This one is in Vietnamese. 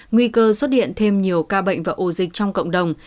nguy cơ xuất hiện thêm nhiều ca bệnh và ổ dịch trong cộng đồng